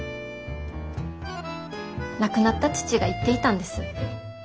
亡くなった父が言っていたんです。